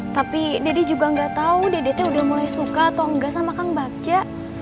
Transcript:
tapi dede juga gak tau dede udah mulai suka atau enggak sama kang bagja